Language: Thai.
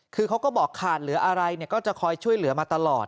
คือเขาก็บอกขาดเหลืออะไรก็จะคอยช่วยเหลือมาตลอด